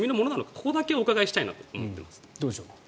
ここだけお伺いしたいなと思っています。